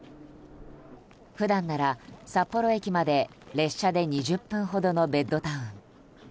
普段なら札幌駅まで列車で２０分ほどのベッドタウン。